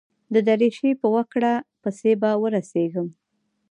د درېشۍ په وکړه پسې به ورسېږم.